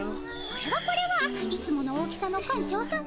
これはこれはいつもの大きさの館長さま。